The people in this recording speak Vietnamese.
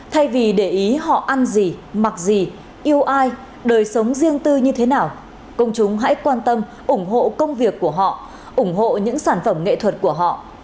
thay vì để ý họ ăn gì mặc gì yêu ai đời sống riêng tư như thế nào công chúng hãy quan tâm ủng hộ công việc của họ ủng hộ những sản phẩm nghệ thuật của họ